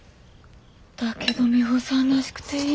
だけどミホさんらしくていい。